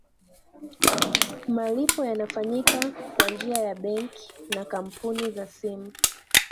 malipo yanafanyika kwa njia ya benki na kampuni za simu